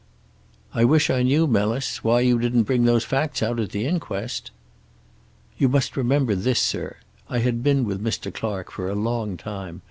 "I wish I knew, Melis, why you didn't bring those facts out at the inquest." "You must remember this, sir. I had been with Mr. Clark for a long time.